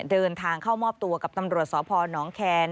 เดินทางเข้ามอบตัวกับตำรวจสพนแคน